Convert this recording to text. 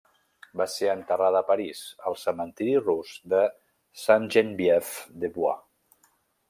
Va ser enterrada a París, al cementiri rus de Sainte-Geneviève-des-Bois.